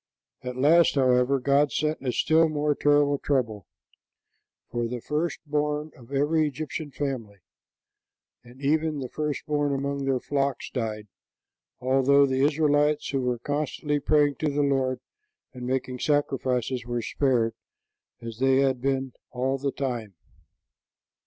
At last, however, God sent a still more terrible trouble; for the first born of every Egyptian family, and even the first born among their flocks, died; although the Israelites, who were constantly praying to the Lord and making sacrifices, were spared, as they had been all the time.